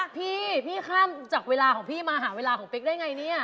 พี่พี่ข้ามจากเวลาของพี่มาหาเวลาของเป๊กได้ไงเนี่ย